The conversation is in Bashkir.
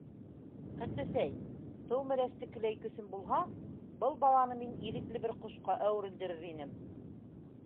Ҡартәсәй, Тыумәрәстекеләй көсөм булһа, был баланы мин ирекле бер ҡошҡа әүерелдерер инем!